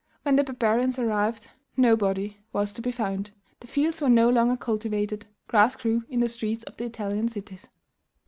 When the barbarians arrived, nobody was to be found; the fields were no longer cultivated; grass grew in the streets of the Italian cities.